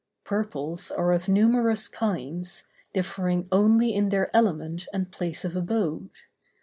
Purples are of numerous kinds, differing only in their element and place of abode.